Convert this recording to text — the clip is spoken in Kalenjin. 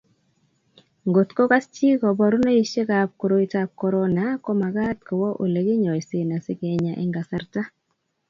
Ngotko Kas chi koborunosiekab ab koroitab korona komagat kowo Ole kinyoisee asikenya eng kasarta